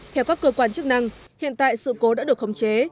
theo các cơ quan chức năng hiện tại sự cố đã được khống chế